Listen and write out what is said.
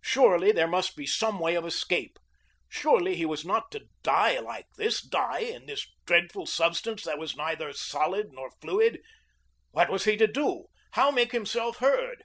Surely there must be some way of escape; surely he was not to die like this, die in this dreadful substance that was neither solid nor fluid. What was he to do? How make himself heard?